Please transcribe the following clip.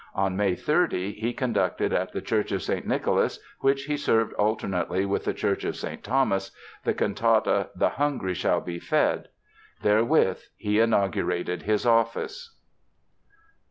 On May 30 he conducted at the Church of St. Nicholas (which he served alternately with the Church of St. Thomas) the cantata The Hungry Shall Be Fed. Therewith he inaugurated his office.